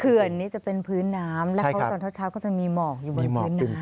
ื่อนนี้จะเป็นพื้นน้ำแล้วเขาตอนเช้าก็จะมีหมอกอยู่บนพื้นน้ำ